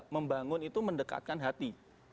membangun itu mendekatkan hati